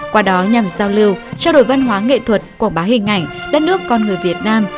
qua đó nhằm giao lưu trao đổi văn hóa nghệ thuật quảng bá hình ảnh đất nước con người việt nam